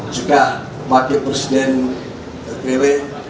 juga sebagai presiden rpw